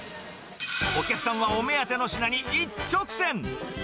お客さんはお目当ての品に一直線。